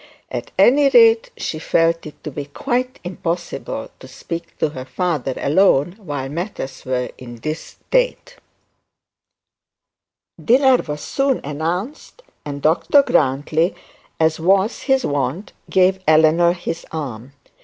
At any rate she felt it to be quite impossible to speak to her father alone while matters were in this state. Dinner was soon announced, and Dr Grantly, as was his wont, gave Eleanor his arm.